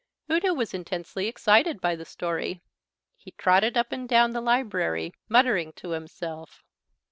Udo was intensely excited by the story. He trotted up and down the library, muttering to himself.